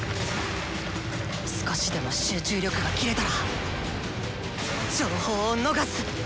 少しでも集中力が切れたら情報を逃す！